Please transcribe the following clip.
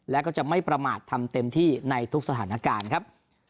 และก็จะไม่ประมาททำเต็มที่ในทุกสถานการณ์ครับ